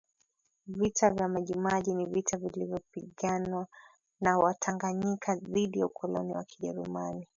Vita vya Maji Maji ni vita vilivyopiganwa na Watanganyika dhidi ya ukoloni wa kijerumani